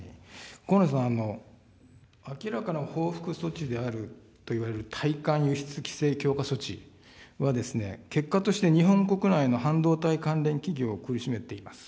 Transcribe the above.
河野さん、明らかな報復措置であるといわれる対韓輸出規制措置ですね、結果として日本国内の半導体関連企業を苦しめています。